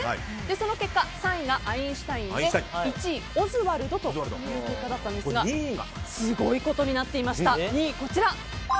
その結果３位がアインシュタインで１位、オズワルドという結果だったんですが２位がすごいことになっていました。